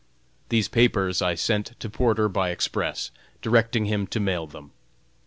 These papers I sent to Porter by express, directing him to mail them.